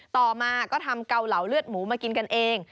ต่อมาก็ทำเกาเหลาเลือดหมูมากินกันเอง